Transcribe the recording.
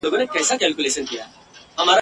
په ښکلا یې له هر چا وو میدان وړی !.